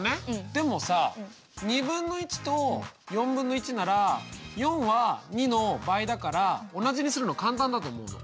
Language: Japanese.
でもさとなら４は２の倍だから同じにするの簡単だと思うの。